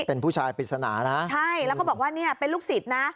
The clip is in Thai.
เป็นผู้ชายปริศนานะใช่แล้วก็บอกว่าเนี่ยเป็นลูกศิษย์นะ